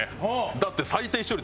だって。